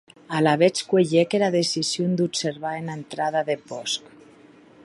Alavetz cuelhec era decision d’observar ena entrada deth bòsc.